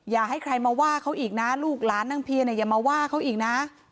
อย่าให้ใครมาว่าเขาอีกนะลูกหลานนางเพียเนี่ยอย่ามาว่าเขาอีกนะ